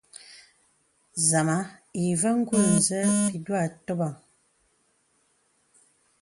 Nzàma àvə ngūl bi dòg atòbəŋ.